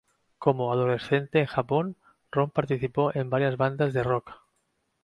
Como adolescente en Japón, Ron participó en varias bandas de "rock".